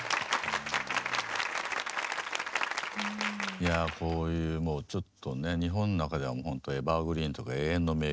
いやこういうもうちょっとね日本の中ではほんとエバーグリーンとか永遠の名曲をね